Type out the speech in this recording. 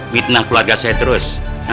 fitnah keluarga saya terus